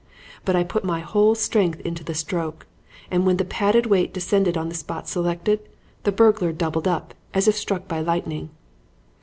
But I put my whole strength into the stroke, and when the padded weight descended on the spot selected, the burglar doubled up as if struck by lightning.